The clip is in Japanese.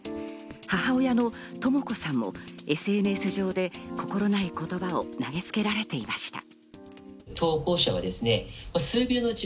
母親のとも子さんもＳＮＳ上で心ない言葉を投げつけられていました。